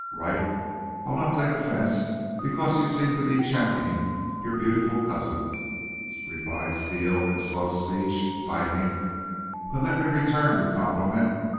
"Wright, I'll not take offense, because you seem to be championing your beautiful cousin," replied Steele in slow speech, biting. "But let me return your compliment.